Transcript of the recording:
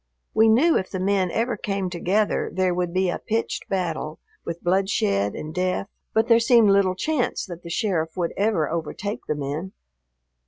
We knew if the men ever came together there would be a pitched battle, with bloodshed and death, but there seemed little chance that the sheriff would ever overtake the men.